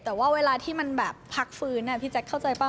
แต่ว่าเวลาที่มันแบบพักฟื้นพี่แจ๊คเข้าใจป่